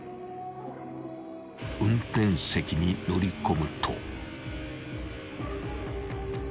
［運転席に乗り込むと］